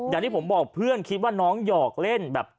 อย่างที่ผมบอกเพื่อนคิดว่าน้องหยอกเล่นแบบ